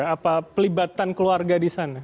apa pelibatan keluarga di sana